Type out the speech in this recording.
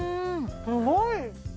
すごい！